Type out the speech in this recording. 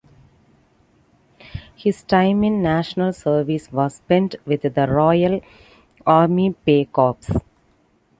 His time in National Service was spent with the Royal Army Pay Corps.